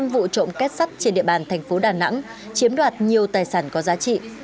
năm vụ trộm kết sắt trên địa bàn thành phố đà nẵng chiếm đoạt nhiều tài sản có giá trị